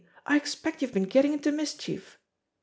I expect you've been getting into mischief."